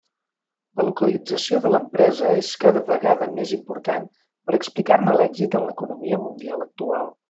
La localització de l'empresa és cada vegada més important per a explicar-ne l'èxit en l'economia mundial actual.